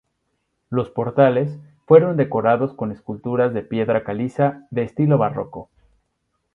Los portales fueron decorados con esculturas de piedra caliza de estilo barroco.